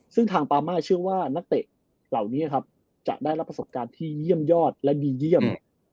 ซึ่งทางปามาเชื่อว่านักเตะเหล่านี้ครับจะได้รับประสบการณ์ที่เยี่ยมยอดและดีเยี่ยม